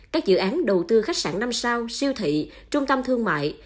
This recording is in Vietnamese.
các dự án đầu tư khách sạn năm sao siêu thị trung tâm thương mại